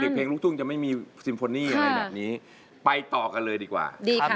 เพลงลูกทุ่งจะไม่มีซิมโฟนี่อะไรแบบนี้ไปต่อกันเลยดีกว่า